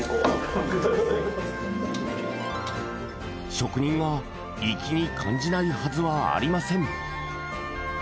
職人が粋に感じないはずはありません